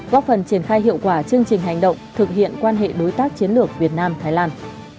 góp phần triển khai hiệu quả chương trình hành động thực hiện quan hệ đối tác chiến lược việt nam thái lan